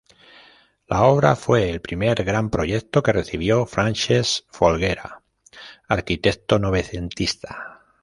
La obra fue el primer gran proyecto que recibió Francesc Folguera, arquitecto novecentista.